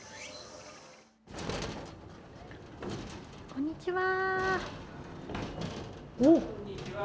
こんにちは。